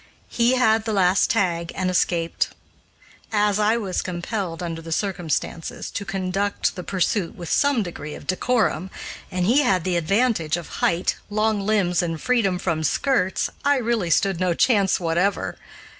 He had the last "tag" and escaped. As I was compelled, under the circumstances, to conduct the pursuit with some degree of decorum, and he had the advantage of height, long limbs, and freedom from skirts, I really stood no chance whatever.